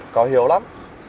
có hiểu lắm